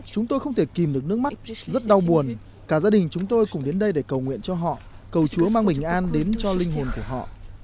chúng tôi không thể kìm được nước mắt rất đau buồn cả gia đình chúng tôi cùng đến đây để cầu nguyện cho họ cầu chúa mang bình an đến cho linh hồn của họ